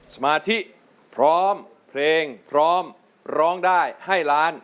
สมาธิพร้อมเพลงพร้อมร้องได้ให้ล้าน